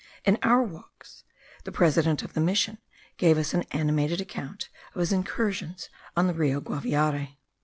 In our walks, the president of the mission gave us an animated account of his incursions on the Rio Guaviare.